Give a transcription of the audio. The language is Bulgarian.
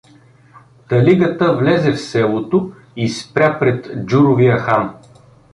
Талигата влезе в селото и спря пред Джуровия хан.